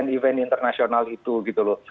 event event internasional itu gitu loh